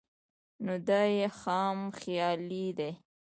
نو دا ئې خام خيالي ده